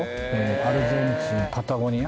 アルゼンチンパタゴニア